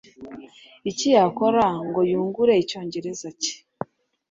iki yakora ngo yungure Icyongereza cye